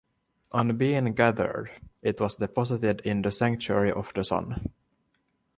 On bein gathered, it was deposited in the sanctuary of the Sun.